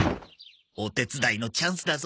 お手伝いのチャンスだぞ。